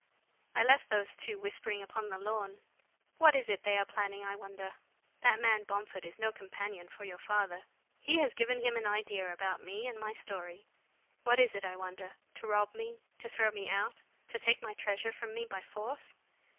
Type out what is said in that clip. I left those two whispering upon the lawn. What is it they are planning, I wonder? That man Bomford is no companion for your father. He has given him an idea about me and my story. What is it, I wonder? To rob me, to throw me out, to take my treasure from me by force?"